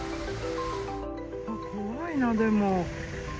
怖いな、でも。